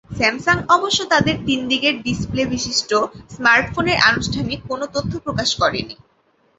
Samsung অবশ্য তাদের তিন দিকের ডিসপ্লেবিশিষ্ট স্মার্টফোনের আনুষ্ঠানিক কোনো তথ্য প্রকাশ করেনি।